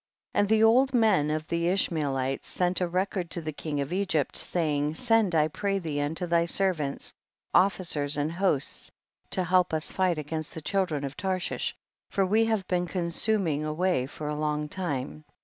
3. And the old men of the Ish maelites sent a record to the king of Egypt, saying, send I pray thee unto thy servants officers and hosts to help us to fight against the child ren of Tarshish, for we have been consuming away for a long time.